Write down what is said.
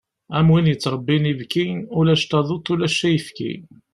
Am win yettrebbin ibki, ulac taduṭ ulac ayefki.